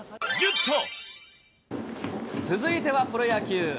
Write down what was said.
続いてはプロ野球。